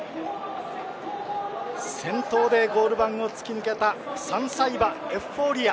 先頭でゴール板を突き抜けた３歳馬、エフフォーリア。